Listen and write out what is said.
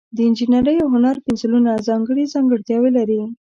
د انجینرۍ او هنر پنسلونه ځانګړي ځانګړتیاوې لري.